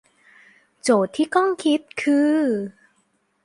โจทย์ที่ต้องคิดคือ